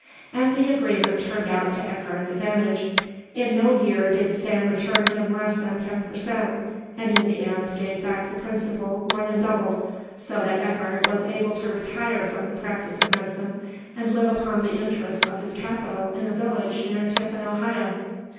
And the agreement turned out to Eckardt's advantage. In no year did Sam return him less than ten per cent, and in the end gave back the principal more than doubled so that Eckardt was able to retire from the practice of medicine and live upon the interest of his capital in a village near Tiffin, Ohio.